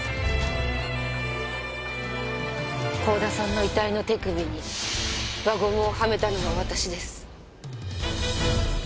甲田さんの遺体の手首に輪ゴムをはめたのは私です。